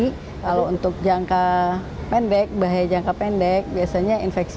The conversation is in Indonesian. kalau untuk jangka pendek bahaya jangka pendek biasanya infeksi